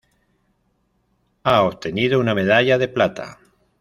Ha obtenido una medalla de plata.